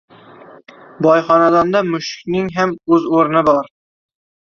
Boy xonadonda mushukning ham oʻz oʻrni bor.